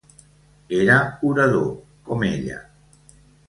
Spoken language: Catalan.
Era orador, com ella.